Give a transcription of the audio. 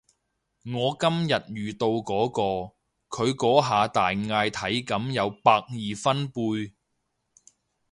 我今日遇到嗰個，佢嗰下大嗌體感有百二分貝